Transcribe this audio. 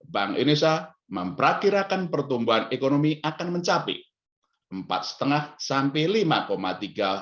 dua ribu dua puluh dua bank indonesia memperkirakan pertumbuhan ekonomi akan mencapai empat setengah sampai